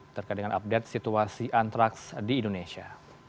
terkait dengan update situasi antraks di indonesia